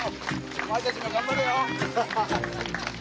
お前たちも頑張れよ！